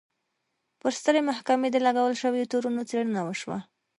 پر سترې محکمې د لګول شویو تورونو څېړنه وشوه.